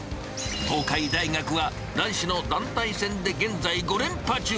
東海大学は男子の団体戦で現在５連覇中。